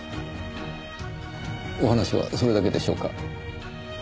お話はそれだけでしょうか？